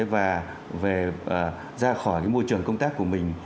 và ra khỏi môi trường công tác của mình